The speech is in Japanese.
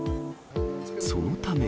そのため。